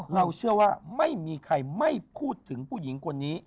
เราเชื่อว่าไม่มีใครไม่พูดถึงผู้หญิงคนนี้